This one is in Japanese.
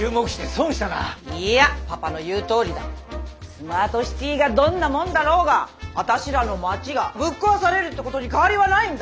スマートシティがどんなもんだろうが私らの町がぶっ壊されるってことに変わりはないんだ！